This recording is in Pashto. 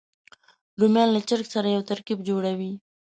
رومیان له چرګ سره یو ترکیب جوړوي